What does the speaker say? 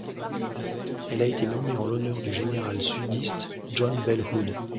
Elle a été nommée en l'honneur du général sudiste John Bell Hood.